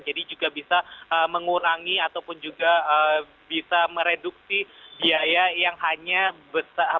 jadi juga bisa mengurangi ataupun juga bisa mereduksi biaya yang hanya besar